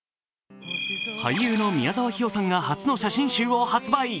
俳優の宮沢氷魚さんが初の写真集を発売。